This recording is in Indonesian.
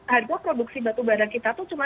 harga batubara kita itu cuma